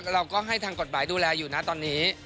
เราก็ให้ทางกฎหมายดูแลอยู่นะตอนนี้